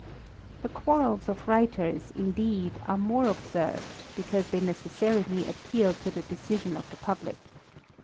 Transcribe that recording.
The quarrels of writers, indeed, are more observed, l)ecause they necessarily appeal to the decision of the (kuhlick.